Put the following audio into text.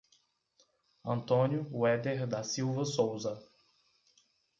Antônio Ueder da Silva Souza